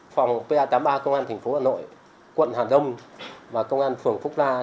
phòng pa tám mươi ba công an thành phố hà nội quận hà đông và công an phường phúc la